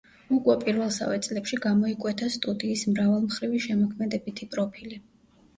უკვე პირველსავე წლებში გამოიკვეთა სტუდიის მრავალმხრივი შემოქმედებითი პროფილი.